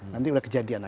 nanti udah kejadian